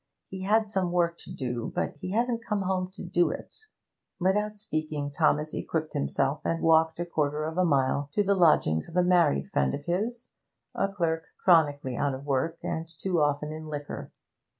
He had some work to do, but he hasn't come home to do it.' Without speaking Thomas equipped himself and walked a quarter of a mile to the lodgings of a married friend of his a clerk chronically out of work, and too often in liquor.